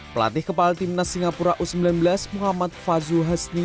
pelatih kepala tim nas singapura u sembilan belas muhammad fazul hasni